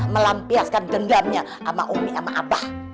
melampiaskan dendamnya sama umi sama apa